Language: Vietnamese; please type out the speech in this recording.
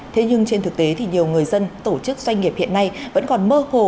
thế nhưng trên thực tế thì nhiều người dân tổ chức doanh nghiệp hiện nay vẫn còn mơ hồ